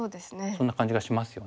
そんな感じがしますよね。